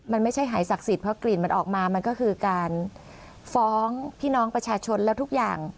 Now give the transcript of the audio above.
มันไม่ใช่หายศักดิ์สิทธิ์เพราะกลิ่นมันออกมามันก็คือการฟ้องพี่น้องประชาชนแล้วทุกอย่าง